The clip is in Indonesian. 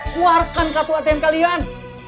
keluarkan katu atm kalian